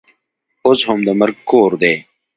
اوس هم د مرګ کور دی.